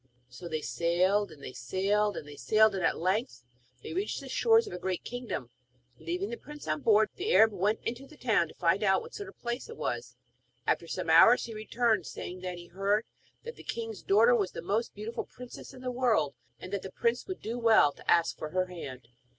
So they sailed, and they sailed, and they sailed; and at length they reached the shores of a great kingdom. Leaving the prince on board, the Arab went into the town to find out what sort of a place it was. After some hours he returned, saying that he heard that the king's daughter was the most beautiful princess in the world, and that the prince would do well to ask for her hand.